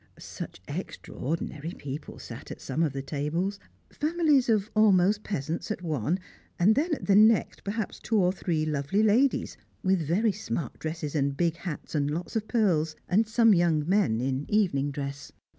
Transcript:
Such extraordinary people sat at some of the tables! Families of almost peasants at one, and then at the next perhaps two or three lovely ladies, with very smart dresses and big hats, and lots of pearls, and some young men in evening dress.